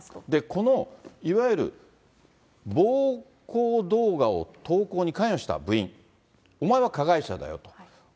このいわゆる暴行動画を投稿に関与した部員、お前は加害者だよと。